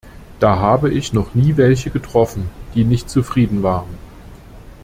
Da habe ich noch nie welche getroffen, die nicht zufrieden waren.